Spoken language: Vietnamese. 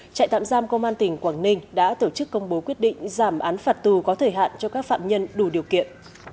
trại tạm giam công an tỉnh quảng ninh đã tổ chức công bố quyết định giảm án phạt tù có thời hạn cho các phạm nhân đủ điều kiện